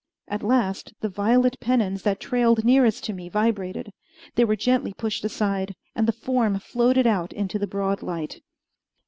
At last the violet pennons that trailed nearest to me vibrated; they were gently pushed aside, and the form floated out into the broad light.